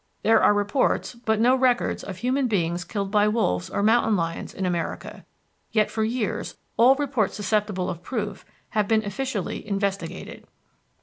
There are reports but no records of human beings killed by wolves or mountain lions in America. Yet, for years, all reports susceptible of proof have been officially investigated.